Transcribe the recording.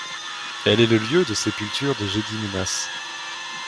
Elle est le lieu de sépulture de Gediminas.